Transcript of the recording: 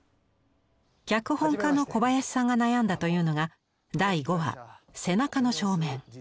脚本家の小林さんが悩んだというのが第５話「背中の正面」。